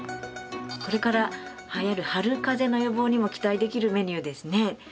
これから流行る春かぜの予防にも期待できるメニューですね。